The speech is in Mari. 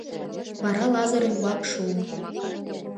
Вара Лазыр ӱмбак шуо.